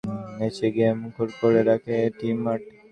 দর্শকেরা গানের তালে পুরো সময়টা নেচে-গেয়ে মুখর করে রাখেন এ-টিম মাঠ।